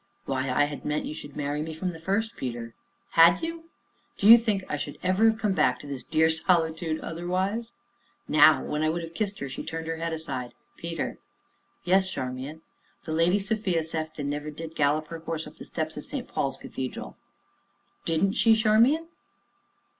"Why, I had meant you should marry me from the first, Peter." "Had you?" "Do you think I should ever have come back to this dear solitude otherwise?" Now, when I would have kissed her, she turned her head aside. "Peter." "Yes, Charmian?" "The Lady Sophia Sefton never did gallop her horse up the steps of St. Paul's Cathedral." "Didn't she, Charmian?"